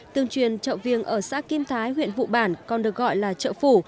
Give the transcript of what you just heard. tương truyền chợ viếng ở xã kim thái huyện phụ bản còn được gọi là chợ phủ